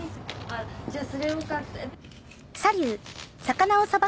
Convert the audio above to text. あっじゃあそれを買って。